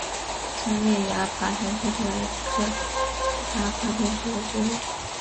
三叶崖爬藤是葡萄科崖爬藤属的植物。